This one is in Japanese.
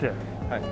はい。